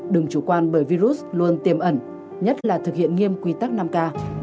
đừng chủ quan bởi virus luôn tiềm ẩn nhất là thực hiện nghiêm quy tắc năm k